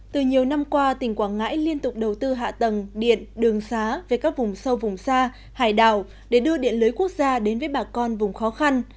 từ nhiều năm qua tỉnh quảng ngãi liên tục đầu tư hạ tầng điện đường xá về các vùng sâu vùng xa hải đảo để đưa điện lưới quốc gia đến với bà con vùng khó khăn